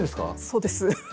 そうです。